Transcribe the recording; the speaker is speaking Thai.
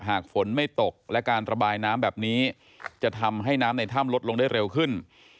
หากฝนไม่ตกและการระบายน้ำแบบนี้จะทำให้น้ำในถ้ำลดลงได้เร็วขึ้น